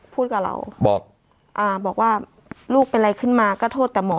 พูดกับเราบอกอ่าบอกว่าลูกเป็นอะไรขึ้นมาก็โทษแต่หมอ